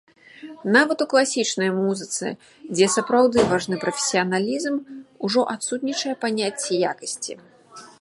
Нават у класічнай музыцы, дзе сапраўды важны прафесіяналізм, ужо адсутнічае паняцце якасці.